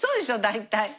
大体。